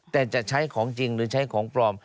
แต่จะใช้ของจริงหรือใช้ของปลอม